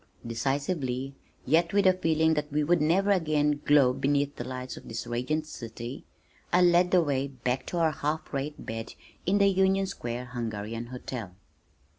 Decisively, yet with a feeling that we would never again glow beneath the lights of this radiant city, I led the way back to our half rate bed in the Union Square Hungarian hotel.